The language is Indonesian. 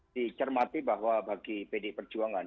dicermati bahwa bagi pdi perjuangan